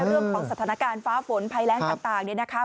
เรื่องของสถานการณ์ฟ้าฝนภัยแรงต่างเนี่ยนะคะ